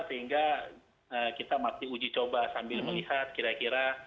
sehingga kita masih uji coba sambil melihat kira kira